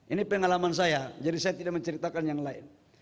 ini pengalaman saya jadi saya tidak menceritakan yang lain